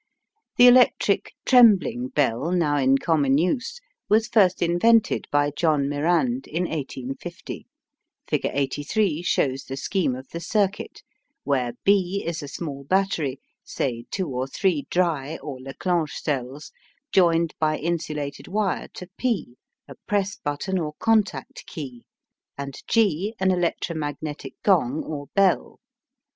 The electric "trembling bell," now in common use, was first invented by John Mirand in 1850. Figure 83 shows the scheme of the circuit, where B is a small battery, say two or three "dry" or Leclanche cells, joined by insulated wire to P, a press button or contact key, and G an electromagnetic gong or bell.